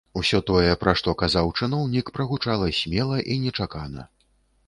Усё тое, пра што казаў чыноўнік, прагучала смела і нечакана.